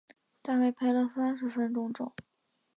大概拍了三十分钟照